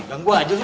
ganggu aja lo